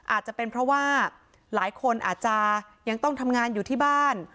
อาจจะเป็นเพราะว่าหลายคนอาจจะยังต้องทำงานอยู่ที่บ้าน